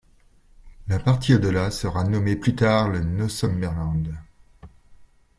La partie au-delà sera nommée plus tard le Northumberland.